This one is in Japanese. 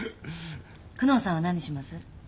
久能さんは何します？